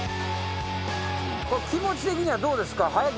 気持ち的にはどうですか？